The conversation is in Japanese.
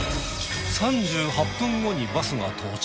３８分後にバスが到着。